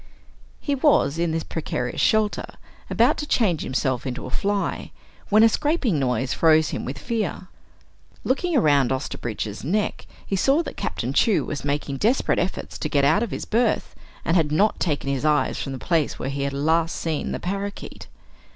He was, in this precarious shelter, about to change himself into a fly, when a scraping noise froze him with fear. Looking around Osterbridge's neck he saw that Captain Chew was making desperate efforts to get out of his berth, and had not taken his eyes from the place where he had last seen the parakeet.